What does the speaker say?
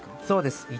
そうです。